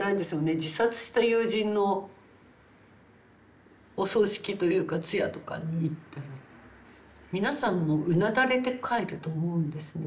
自殺した友人のお葬式というか通夜とかに行ったら皆さんもうなだれて帰ると思うんですね。